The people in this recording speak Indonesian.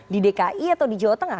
di dki atau di jawa tengah